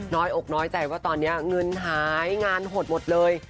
อกน้อยใจว่าตอนนี้เงินหายงานหดหมดเลย